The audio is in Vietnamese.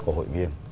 của hội viên